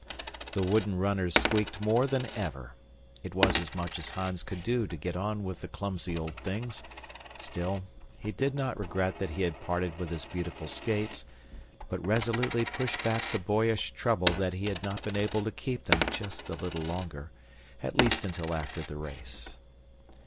The wooden runners squeaked more than ever. It was as much as Hans could do to get on with the clumsy old things; still, he did not regret that he had parted with his beautiful skates, but resolutely pushed back the boyish trouble that he had not been able to keep them just a little longer, at least until after the race.